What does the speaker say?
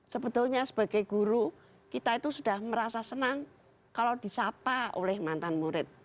sebetulnya sebagai guru kita itu sudah merasa senang kalau disapa oleh mantan murid